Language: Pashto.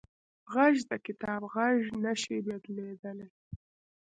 غږ د کتاب غږ نه شي بدلېدلی